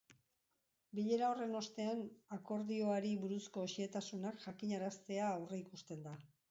Bilera horren ostean, akordioari buruzko xehetasunak jakinaraztea aurreikusten da.